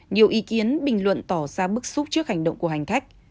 nhiều ý kiến bình luận tỏ ra bức xúc trước hành động của hành khách